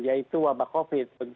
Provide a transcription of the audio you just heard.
yaitu wabah covid sembilan belas